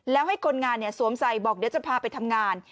แล้วให้คนงานสวมใส่บอกเดี๋ยวจะพาไปทำงาน